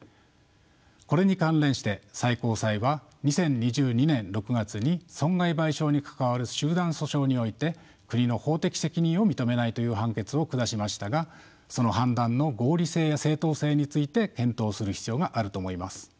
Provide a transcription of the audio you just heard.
これに関連して最高裁は２０２２年６月に損害賠償に関わる集団訴訟において国の法的責任を認めないという判決を下しましたがその判断の合理性や正当性について検討する必要があると思います。